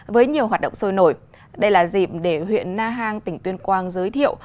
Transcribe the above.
với nhiều hoạt động sôi nổi đây là dịp để huyện na hàng tỉnh tuyên quang giới thiệu